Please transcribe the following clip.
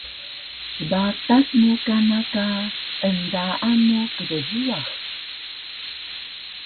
Sbatas mu kana ka endaan mu kdjiyax